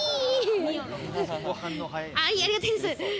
ありがとうございます。